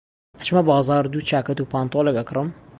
ئەچمە بازاڕ دوو چاکەت و پانتۆڵێک ئەکڕم.